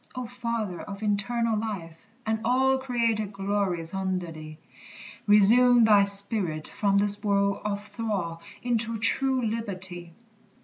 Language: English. O Father of eternal life, and all Created glories under thee! Resume thy spirit from this world of thrall Into true liberty.